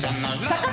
魚！